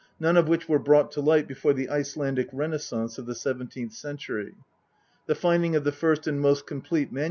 none of which were brought to light before the Icelandic Renaissance of the seventeenth century. The finding of the first and most complete MS.